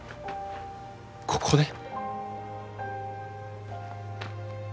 ここで？